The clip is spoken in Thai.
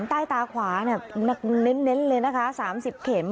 ใต้ตาขวาเนี่ยเน้นเน้นเลยนะคะสามสิบเข็ม